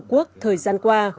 trong thời gian qua